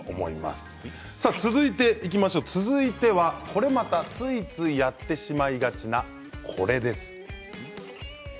続いては、これまたついついやってしまいがちなこれです。